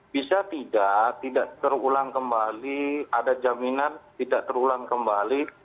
bisa tidak tidak terulang kembali ada jaminan tidak terulang kembali